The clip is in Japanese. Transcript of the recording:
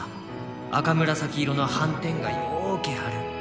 赤紫色の斑点がようけある。